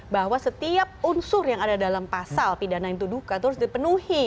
bahwa setiap unsur yang ada dalam pasal pidana yang ditudukan itu harus dipenuhi